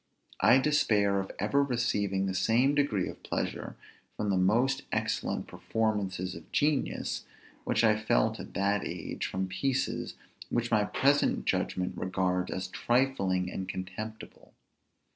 I despair of ever receiving the same degree of pleasure from the most excellent performances of genius, which I felt at that age from pieces which my present judgment regards as trifling and contemptible.